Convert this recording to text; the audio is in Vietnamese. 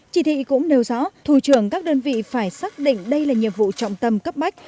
chỉ thị cũng nêu rõ thủ trưởng các đơn vị phải xác định đây là nhiệm vụ trọng tâm cấp bách